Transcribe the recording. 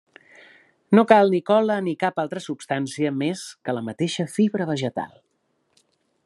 No cal ni cola ni cap altra substància més que la mateixa fibra vegetal.